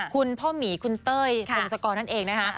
คุณพ่อหมีคุณเต้ยพงศกรนั่นเองนะคะ